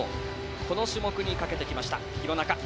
この種目にかけてきました、弘中。